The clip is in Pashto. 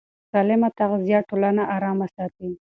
سالمه تغذیه ټولنه ارامه ساتي.